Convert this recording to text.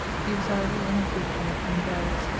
He was idle and unfortunate, and dyed 167